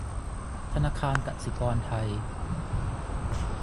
ธนาคารกสิกรไทย